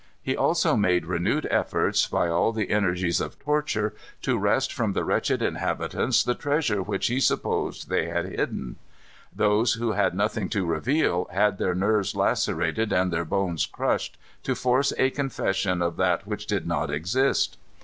He also made renewed efforts, by all the energies of torture, to wrest from the wretched inhabitants the treasure which he supposed they had hidden. Those who had nothing to reveal, had their nerves lacerated and their bones crushed to force a confession of that which did not exist.